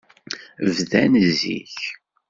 Bdan zik.